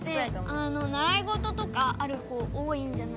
ならいごととかある子多いんじゃないかな。